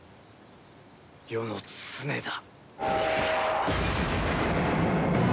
世の常だ。